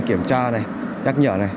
kiểm tra nhắc nhở